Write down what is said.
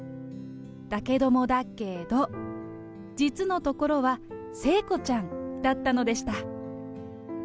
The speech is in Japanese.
だけどもだっけーど、実のところはせーこちゃんだったのでした。